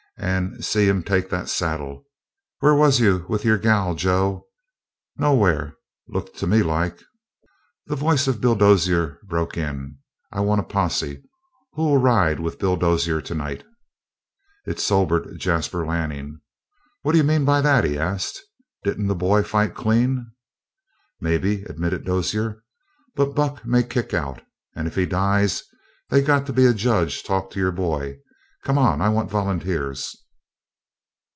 And see him take that saddle? Where was you with your gal, Joe? Nowhere! Looked to me like " The voice of Bill Dozier broke in: "I want a posse. Who'll ride with Bill Dozier tonight?" It sobered Jasper Lanning. "What d'you mean by that?" he asked. "Didn't the boy fight clean?" "Maybe," admitted Dozier. "But Buck may kick out. And if he dies they's got to be a judge talk to your boy. Come on. I want volunteers."